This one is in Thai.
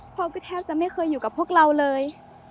พ่อก็แทบจะไม่เคยอยู่กับพวกเราเลย